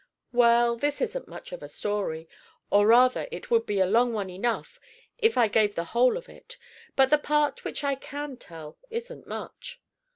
"Well, this isn't much of a story, or rather it would be a long one enough if I gave the whole of it; but the part which I can tell isn't much.